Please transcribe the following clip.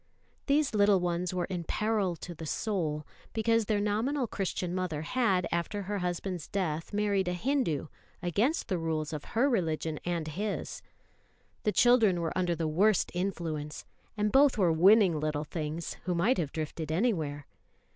These little ones were in "peril to the soul," because their nominal Christian mother had, after her husband's death, married a Hindu, against the rules of her religion and his. The children were under the worst influence; and both were winning little things, who might have drifted anywhere.